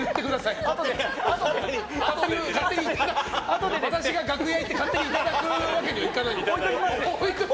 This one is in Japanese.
私があとで楽屋に行って勝手にいただくわけにはいかないですから。